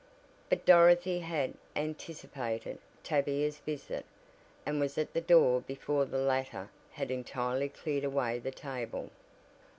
But Dorothy had "anticipated" Tavia's visit and was at the door before the latter had entirely cleared away the table.